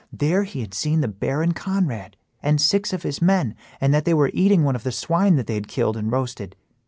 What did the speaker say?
There he had seen the Baron Conrad and six of his men, and that they were eating one of the swine that they had killed and roasted.